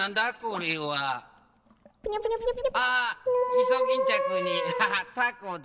イソギンチャクにタコだ。